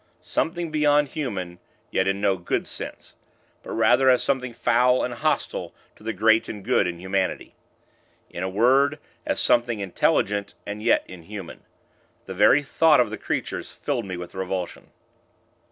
Something beyond human; yet in no good sense; but rather as something foul and hostile to the great and good in humanity. In a word, as something intelligent, and yet inhuman. The very thought of the creatures filled me with revulsion.